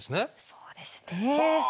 そうですね。はあ。